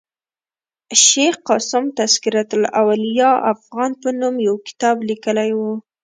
شېخ قاسم تذکرة الاولياء افغان په نوم یو کتاب لیکلی ؤ.